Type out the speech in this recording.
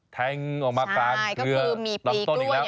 แทงออกมากลางก็คือลำต้นอีกแล้ว